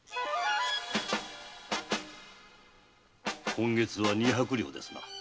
今月は二百両ですな。